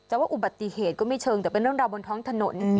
แต่ว่าอุบัติเหตุก็ไม่เชิงแต่เป็นเรื่องราวบนท้องถนน